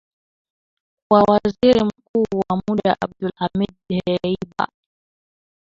kwa Waziri Mkuu wa muda Abdulhamid Dbeibah